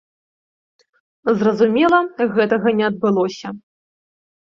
Зразумела, гэтага не адбылося.